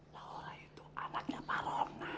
laura itu anaknya marona